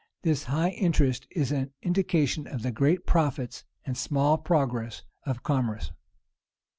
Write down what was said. This high interest is an indication of the great profits and small progress of commerce.